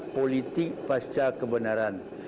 politik pasca kebenaran